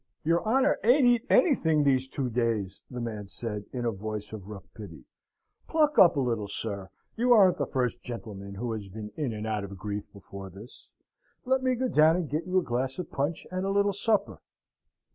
"Your honour ain't eat anything these two days," the man said, in a voice of rough pity. "Pluck up a little, sir. You aren't the first gentleman who has been in and out of grief before this. Let me go down and get you a glass of punch and a little supper."